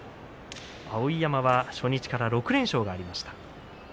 碧山は初日から６連勝がありました。